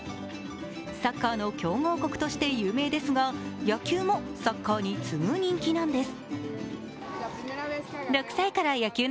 サッカーの強豪国として有名ですが、野球もサッカーに次ぐ、人気なんです。